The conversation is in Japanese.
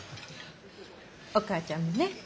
お母ちゃんもね